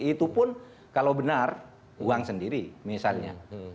itu pun kalau benar uang sendiri misalnya